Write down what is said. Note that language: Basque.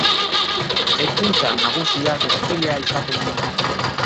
Ekintza nagusia desfilea izaten da.